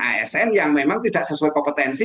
asn yang memang tidak sesuai kompetensi